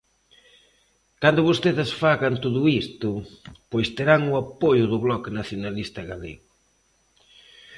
Cando vostedes fagan todo isto, pois terán o apoio do Bloque Nacionalista Galego.